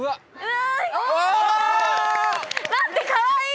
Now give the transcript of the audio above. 待ってかわいい！